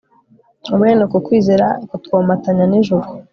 Bene uku kwizera kutwomatanya nIjuru